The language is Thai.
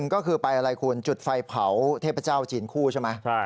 ก็คือไปอะไรคุณจุดไฟเผาเทพเจ้าจีนคู่ใช่ไหม